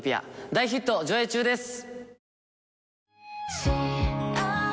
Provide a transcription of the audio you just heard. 大ヒット上映中です！